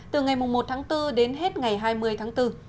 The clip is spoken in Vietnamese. từ ngày một tháng bốn đến hết ngày hai mươi tháng bốn